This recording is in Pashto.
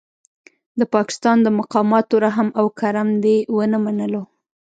د پاکستان د مقاماتو رحم او کرم دې ونه منلو.